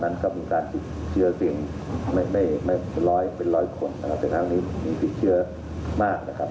และปิดสถานที่เสียงเฉพาะพื้นที่ที่เรามีเรียกว่าสีแดงนะครับ